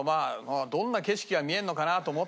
どんな景色が見えるのかな？と思ったわけよ。